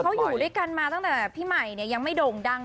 เขาอยู่ด้วยกันมาตั้งแต่พี่ใหม่เนี่ยยังไม่โด่งดัง